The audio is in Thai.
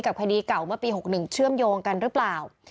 คดีเก่าเมื่อปี๖๑เชื่อมโยงกันหรือเปล่า